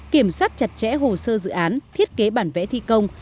kiểm soát chặt chẽ hồ sơ dự án thiết kế bản vẽ thi công